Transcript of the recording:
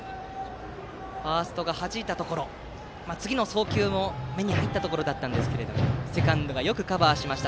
ファーストがはじいたところ次の送球も目に入ったところでしたがセカンドの中本がよくカバーしました。